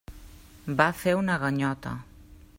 Va fer una ganyota.